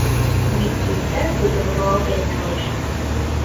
Микита тудым руалтен налеш.